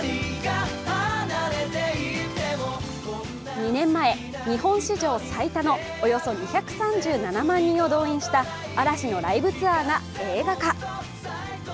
２年前、日本史上最多のおよそ２３７万人を動員した嵐のライブツアーが映画化。